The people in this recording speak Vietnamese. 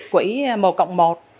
quỹ một cộng một